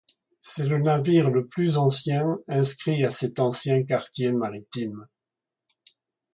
C'est le navire le plus ancien inscrit à cet ancien quartier maritime.